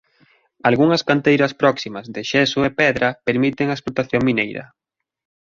Algunhas canteiras próximas de xeso e pedra permiten a explotación mineira.